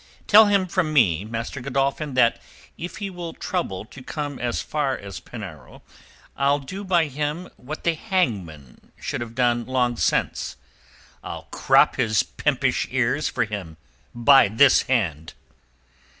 Tell him from me, Master Godolphin, that if he will trouble to come as far as Penarrow I'll do by him what the hangman should have done long since. I'll crop his pimpish ears for him, by this hand!"